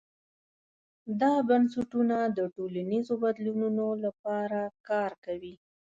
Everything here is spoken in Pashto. دا بنسټونه د ټولنیزو بدلونونو لپاره کار کوي.